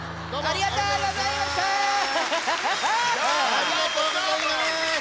ありがとうございます。